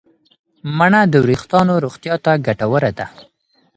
مڼه د وریښتانو روغتیا ته ګټوره ده.